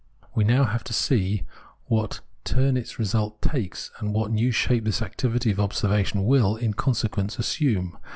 We have now to see what turn its result takes, and what new shape this activity of observation will, in consequence, assume.